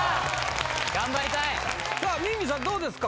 頑張りたいさあＭＩＮＭＩさんどうですか？